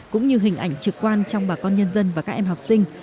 cũng như hình ảnh trực quan trong bà con nhân dân và các em học sinh